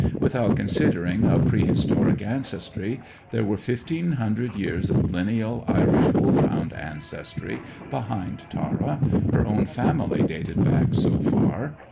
Without considering prehistoric ancestry, there were fifteen hundred years of lineal Irish Wolfhound ancestry behind Tara; her own family dated back so far.